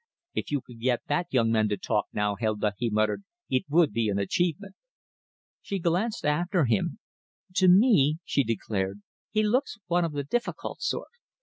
"If you could get that young man to talk, now, Helda," he muttered, "it would be an achievement." She glanced after him, "To me," she declared, "he looks one of the difficult sort."